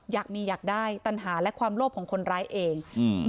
อยากมีอยากได้ปัญหาและความโลภของคนร้ายเองอืม